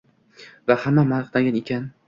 Va hamma maqtagan ekan.